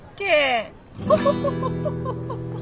ホホホホホ。